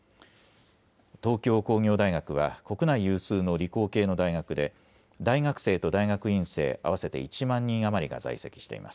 東京工業大学は国内有数の理工系の大学で大学生と大学院生、合わせて１万人余りが在籍しています。